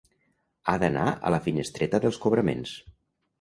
Ha d'anar a la finestreta dels cobraments.